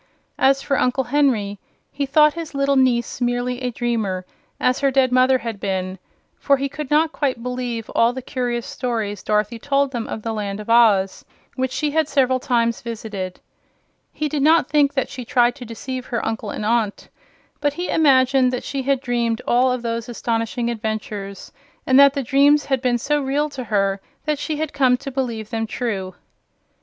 As for Uncle Henry, he thought his little niece merely a dreamer, as her dead mother had been, for he could not quite believe all the curious stories Dorothy told them of the Land of Oz, which she had several times visited. He did not think that she tried to deceive her uncle and aunt, but he imagined that she had dreamed all of those astonishing adventures, and that the dreams had been so real to her that she had come to believe them true.